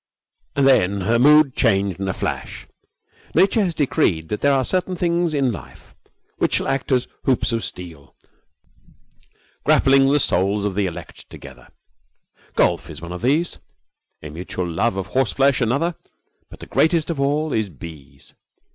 And then her mood changed in a flash. Nature has decreed that there are certain things in life which shall act as hoops of steel, grappling the souls of the elect together. Golf is one of these; a mutual love of horseflesh another; but the greatest of all is bees.